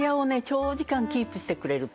長時間キープしてくれる。